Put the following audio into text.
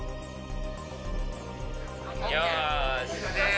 よし。